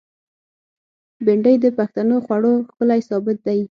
بېنډۍ د پښتنو خوړو ښکلی سابه دی